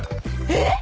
えっ！